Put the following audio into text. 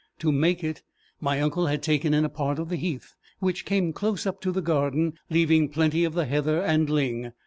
To make it, my uncle had taken in a part of the heath, which came close up to the garden, leaving plenty of the heather and ling.